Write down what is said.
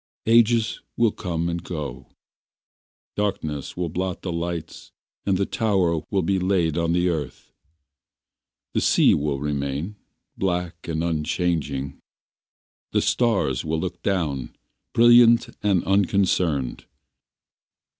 Ages will come and go, Darkness will blot the lights And the tower will be laid on the earth. The sea will remain Black and unchanging, The stars will look down Brilliant and unconcerned.